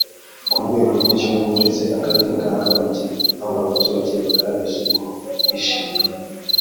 Ku rwego rw Igihugu uretse akarere ka Karongi aho abaturage bagaragaje ko bishimiye